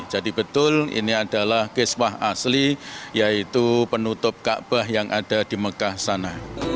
jadi betul ini adalah kiswah asli yaitu penutup ka'bah yang ada di mekah sana